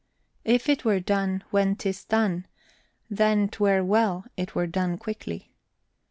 If it were done, when 'tis done, then 'twere well, It were done quickly.